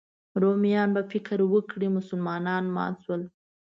رومیان به فکر وکړي مسلمانان مات شول.